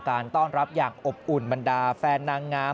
การต้อนรับอย่างอบอุ่นบรรดาแฟนนางงาม